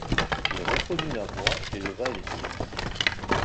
Il reconnut la voix et leva les yeux.